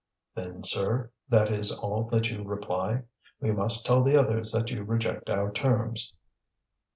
"Then, sir, that is all that you reply? We must tell the others that you reject our terms."